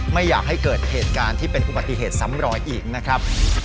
ไม่อยากให้เกิดเหตุการณ์ที่เป็นอุบัติเหตุซ้ำรอยอีกนะครับ